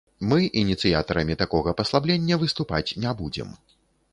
Мы ініцыятарамі такога паслаблення выступаць не будзем.